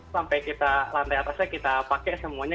sampai kita lantai atasnya kita pakai semuanya